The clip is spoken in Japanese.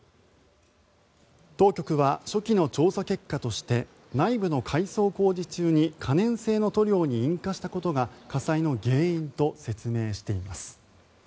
当局は初期の調査結果として内部の改装工事中に可燃性の塗料に引火したことが火災の原因と説明しています。